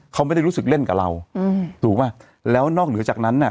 เขาไม่ได้รู้สึกเล่นกับเราอืมถูกป่ะแล้วนอกเหนือจากนั้นน่ะ